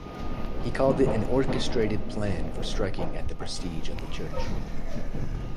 He called it an orchestrated plan for striking at the prestige of the Church.